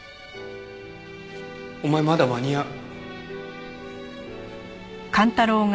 お前まだ間に合う。